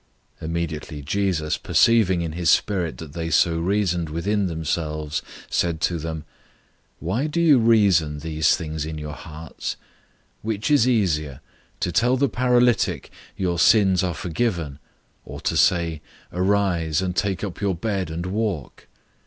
002:008 Immediately Jesus, perceiving in his spirit that they so reasoned within themselves, said to them, "Why do you reason these things in your hearts? 002:009 Which is easier, to tell the paralytic, 'Your sins are forgiven;' or to say, 'Arise, and take up your bed, and walk?'